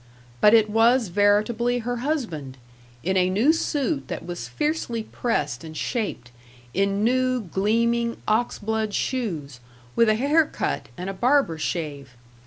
But it was veritably her husband, in a new suit that was fiercely pressed and shaped, in new, gleaming, ox blood shoes, with a hair cut and a barber shave.